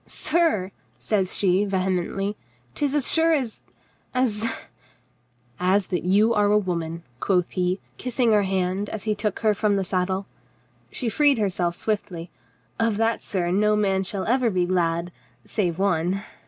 "Sir," says she vehemently, " 'tis as sure as — as — "As that you are a woman," quoth he, ki.ssing her hand as he took her from the saddle. She freed herself swiftly. "Of that, sir, no man shall ever be glad, save one."